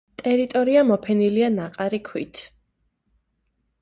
ტერიტორია მოფენილია ნაყარი ქვით.